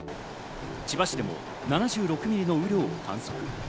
千葉市でも７６ミリの雨量を観測。